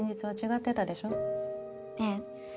ええ。